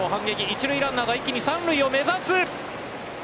一塁ランナーが一気に三塁を目指す。